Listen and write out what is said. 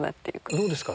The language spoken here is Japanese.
どうですか？